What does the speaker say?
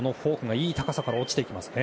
いい高さから落ちていきますね。